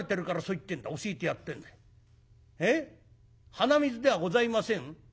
鼻水ではございません？